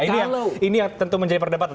nah ini yang tentu menjadi perdebatan